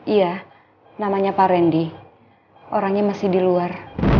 iya namanya pak randy orangnya masih di luar